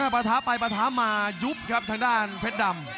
ประท้าไปปะท้ามายุบครับทางด้านเพชรดำ